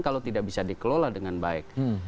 kalau tidak bisa dikelola dengan baik